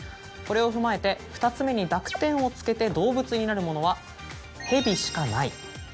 これを踏まえて２つ目に濁点を付けて動物になるものは「ヘビ」しかない。